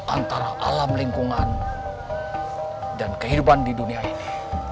antara alam lingkungan dan kehidupan di dunia ini